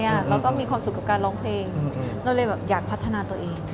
เราก็มีความสุขกับการร้องเพลงเราเลยแบบอยากพัฒนาตัวเอง